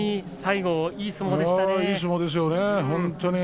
いい相撲でしたね。